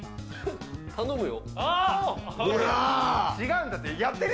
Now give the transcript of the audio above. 頼むよ。